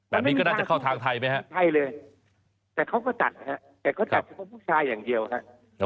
แบบนี้ก็น่าจะเข้าทางไทยไหมฮะไทยเลยแต่เขาก็จัดนะฮะแต่เขาจัดเฉพาะผู้ชายอย่างเดียวครับ